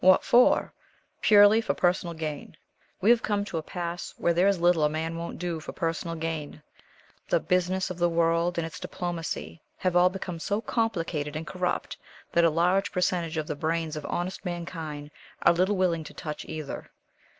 What for? Purely for personal gain. We have come to a pass where there is little a man won't do for personal gain. The business of the world, and its diplomacy, have all become so complicated and corrupt that a large percentage of the brains of honest mankind are little willing to touch either.